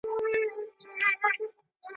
د خور او مور له ګریوانونو سره لوبي کوي